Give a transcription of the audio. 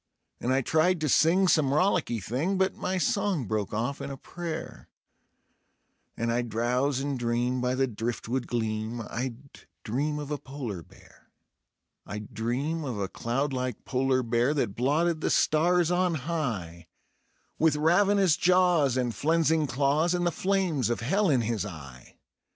And I tried to sing some rollicky thing, but my song broke off in a prayer, And I'd drowse and dream by the driftwood gleam; I'd dream of a polar bear; I'd dream of a cloudlike polar bear that blotted the stars on high, With ravenous jaws and flenzing claws, and the flames of hell in his eye.